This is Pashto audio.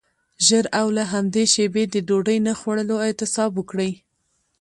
ژر او له همدې شیبې د ډوډۍ نه خوړلو اعتصاب وکړئ.